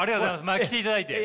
前来ていただいて。